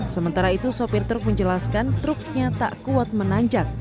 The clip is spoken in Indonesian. sementara itu sopir truk menjelaskan truknya tak kuat menanjak